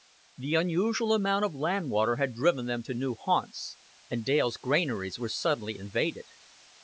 The unusual amount of land water had driven them to new haunts, and Dale's granaries were suddenly invaded.